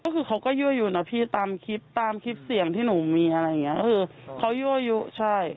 คือเขาย่วยุใช่